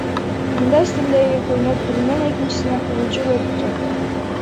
Мындай стилдеги көйнөк биринен экинчисине кубулжуп өтүп жатты.